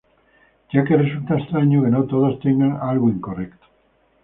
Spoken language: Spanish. Ya que resulta extraño que no todos tengan algo incorrecto